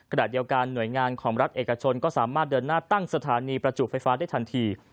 ขณะเดียวกันหน่วยงานของรัฐเอกชนก็สามารถเดินหน้าตั้งสถานีประจุไฟฟ้าได้ทันที